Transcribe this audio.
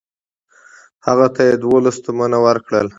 هغه ته یې دوولس تومنه ورکړل.